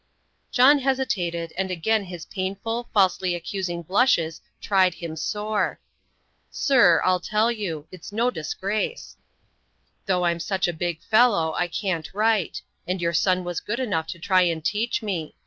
John hesitated, and again his painful, falsely accusing blushes tried him sore. "Sir, I'll tell you; it's no disgrace. Though I'm such a big fellow I can't write; and your son was good enough to try and teach me.